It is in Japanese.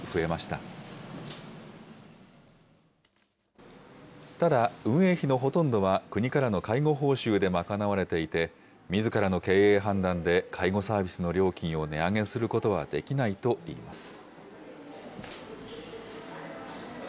ただ、運営費のほとんどは国からの介護報酬で賄われていて、みずからの経営判断で介護サービスの料金を値上げすることはできないといいます。